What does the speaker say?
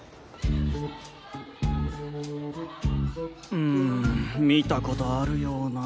うん見たことあるような。